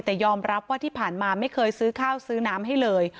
แต่ยอมรับว่าที่ผ่านมาไม่เคยซื้อข้าวซื้อน้ำให้เลย